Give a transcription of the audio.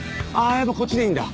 やっぱこっちでいいんだ。